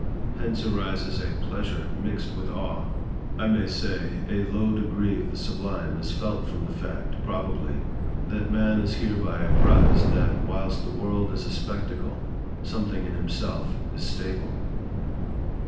Hence arises a pleasure mixed with awe; I may say, a low degree of the sublime is felt from the fact, probably, that man is hereby apprized, that, whilst the world is a spectacle, something in himself is stable.